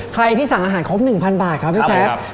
ใครที่สั่งอาหารครบหนึ่งพันบาทครับพี่แซปครับผมครับ